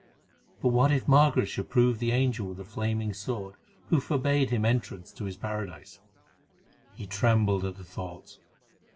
But what if Margaret should prove the angel with the flaming sword who forbade him entrance to his paradise? He trembled at the thought.